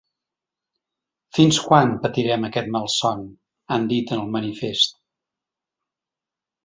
Fins quan patirem aquest malson?, han dit en el manifest.